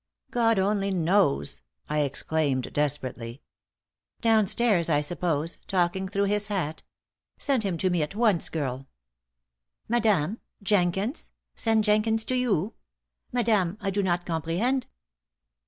"God only knows!" I exclaimed, desperately. "Down stairs, I suppose, talking through his hat. Send him to me at once, girl." "Madame! Jenkins? Send Jenkins to you? Madame, I do not comprehend."